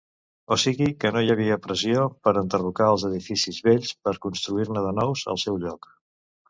O sigui que no hi havia pressió per enderrocar els edificis vells per construir-ne de nous al seu lloc.